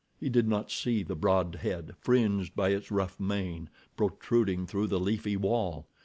He did not see the broad head, fringed by its rough mane, protruding through the leafy wall.